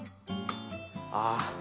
ああ！